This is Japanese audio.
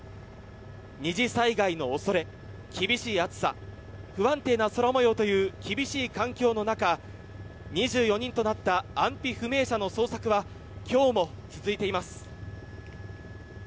二次災害の恐れ、厳しい暑さ不安定な空模様という厳しい環境の中、２４人となった安否不明者の捜索は今日も続いています。